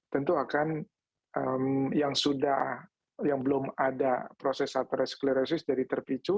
tentu akan yang belum ada proses atherosklerosis dari terpicu